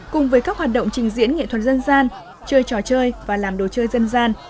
cùng với các hoạt động trình diễn nghệ thuật dân gian chơi trò chơi và làm đồ chơi dân gian